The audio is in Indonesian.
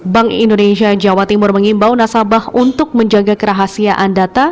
bank indonesia jawa timur mengimbau nasabah untuk menjaga kerahasiaan data